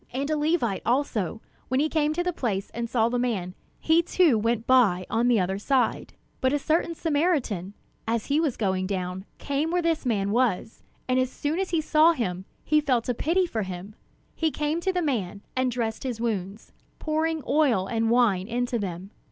And a Levite, also, when he came to the place, and saw the man, he too went by on the other side. But a certain Samaritan, as he was going down, came where this man was; and as soon as he saw him, he felt a pity for him. He came to the man, and dressed his wounds, pouring oil and wine into them.